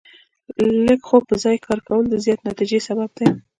لږ خو په ځای کار کول د زیاتې نتیجې سبب دی.